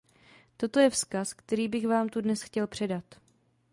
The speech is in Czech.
Toto je vzkaz, který bych vám tu dnes chtěl předat.